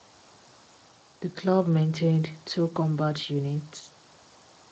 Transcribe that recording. The club maintained two combat units.